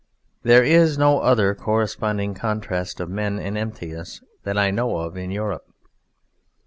There is no other corresponding contrast of men and emptiness that I know of in Europe.